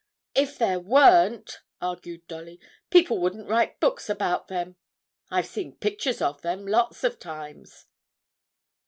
'If there weren't,' argued Dolly, 'people wouldn't write books about them. I've seen pictures of them lots of times.'